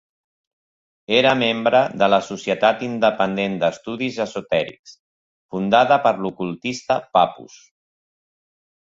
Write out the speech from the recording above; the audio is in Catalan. Era membre de la Societat Independent d'Estudis Esotèrics, fundada per l'ocultista Papus.